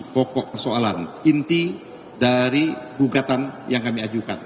pokok persoalan inti dari gugatan yang kami ajukan